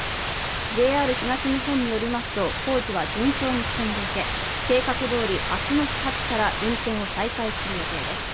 ＪＲ東日本によりますと、工事は順調に進んでいて、計画どおり明日の始発から運転を再開する予定です。